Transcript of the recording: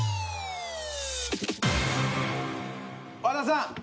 和田さん